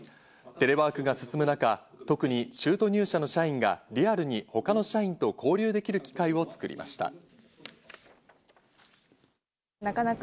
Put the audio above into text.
テレワークが進む中、特に中途入社の社員がリアルに他の社員と交流できる機会を作りました。